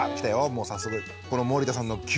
もう早速。